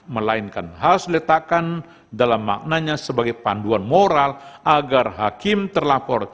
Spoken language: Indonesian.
melainkan harus diletakkan dalam maknanya sebagai panduan moral agar hakim terlapor